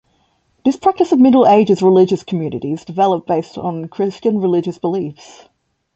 This practice of Middle Ages religious communities developed based on Christian religious beliefs.